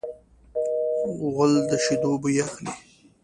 غول د شیدو بوی اخلي.